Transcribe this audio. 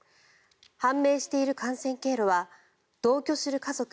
判明している感染経路は同居する家族